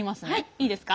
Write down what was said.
いいですか？